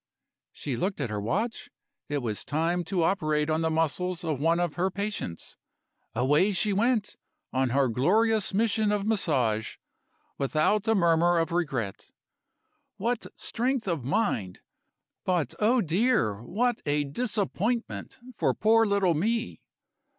She looked at her watch; it was time to operate on the muscles of one of her patients. Away she went, on her glorious mission of Massage, without a murmur of regret. What strength of mind! But, oh, dear, what a disappointment for poor little me!